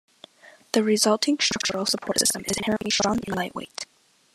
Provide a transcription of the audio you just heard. The resulting structural support system is inherently strong and lightweight.